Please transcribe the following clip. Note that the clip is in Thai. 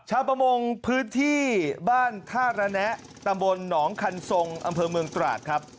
ประมงพื้นที่บ้านท่าระแนะตำบลหนองคันทรงอำเภอเมืองตราดครับ